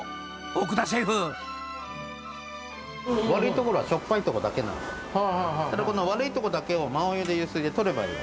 奥田シェフ悪いところはしょっぱいとこだけなのだからこの悪いとこだけを真お湯でゆすいで取ればいい